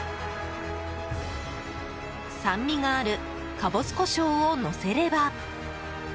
酸味があるカボス胡椒をのせれば。